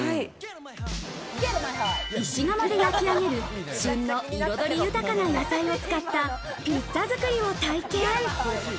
石窯で焼き上げる旬の彩り豊かな野菜を使ったピッツァ作りを体験。